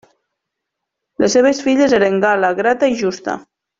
Les seves filles eren Gal·la, Grata i Justa.